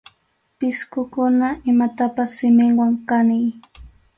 Pisqukuna imatapas siminwan kaniy.